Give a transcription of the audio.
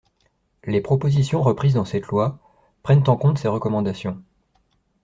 Les propositions reprises dans cette loi prennent en compte ces recommandations.